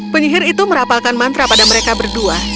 penyihir itu merapalkan mantra pada mereka berdua